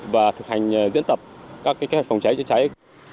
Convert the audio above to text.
và thực hành diễn tập các kế hoạch phòng cháy chữa cháy